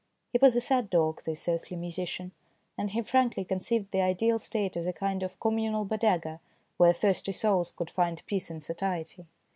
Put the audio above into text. He was a sad dog, this earthly musician, and he frankly conceived the ideal state as a kind of com munal Bodega where thirsty souls could find peace in satiety.